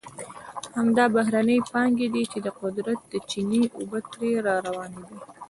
همدا بهرنۍ پانګې دي چې د قدرت د چینې اوبه ترې را روانې دي.